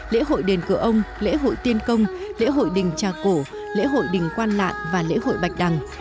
lễ hội đền cửa ông lễ hội tiên công lễ hội đình trà cổ lễ hội đình quan nạn và lễ hội bạch đằng